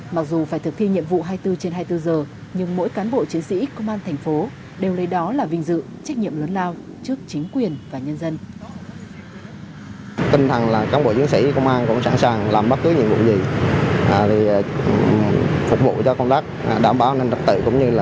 mặc dù phải thực thi nhiệm vụ hai mươi bốn trên hai mươi bốn giờ nhưng mỗi cán bộ chiến sĩ công an thành phố đều lấy đó là vinh dự trách nhiệm lớn lao trước chính quyền và nhân dân